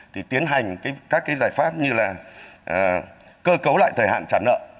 thì tiến hành các cái giải pháp như là cơ cấu lại thời hạn trả nợ